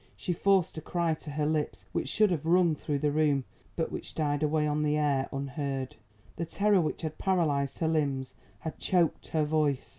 She forced a cry to her lips which should have rung through the room, but which died away on the air unheard. The terror which had paralysed her limbs had choked her voice.